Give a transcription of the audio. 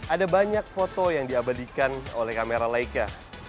ada banyak foto yang diabadikan oleh kamera laika